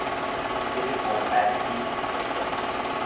Series home at Windies Cricket